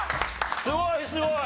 すごいすごい！